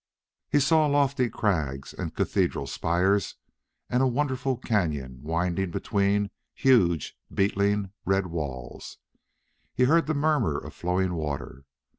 He saw lofty crags and cathedral spires, and a wonderful cañon winding between huge beetling red walls. He heard the murmur of flowing water.